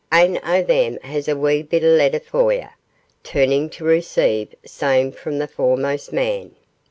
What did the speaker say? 'Ain o' them has a wee bit letter for ye' turning to receive same from the foremost man.